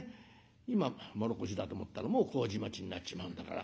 今唐土だと思ったらもう麹町になっちまうんだから」。